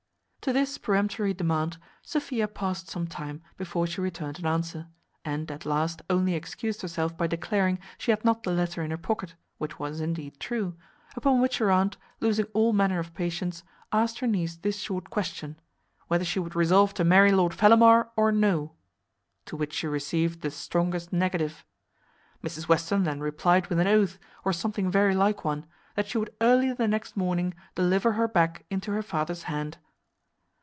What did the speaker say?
To this peremptory demand, Sophia paused some time before she returned an answer; and at last only excused herself by declaring she had not the letter in her pocket, which was, indeed, true; upon which her aunt, losing all manner of patience, asked her niece this short question, whether she would resolve to marry Lord Fellamar, or no? to which she received the strongest negative. Mrs Western then replied with an oath, or something very like one, that she would early the next morning deliver her back into her father's hand.